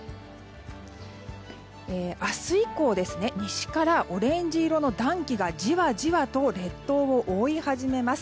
明日以降西からオレンジ色の暖気がじわじわと列島を覆い始めます。